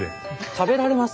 食べられます。